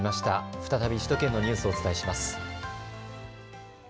再び首都圏のニュースをお伝えします。